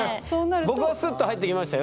僕はスッと入ってきましたよ。